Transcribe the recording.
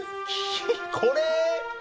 これ？